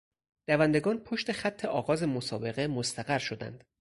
دوندگان پشت خط آغاز مسابقه مستقر شدند.